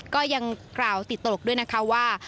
ก็ยังกล่าวติดตลกด้วยนะคะว่า